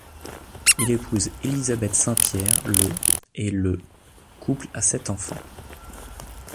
Il épouse Élizabeth St-Pierre le et le couple a sept enfants.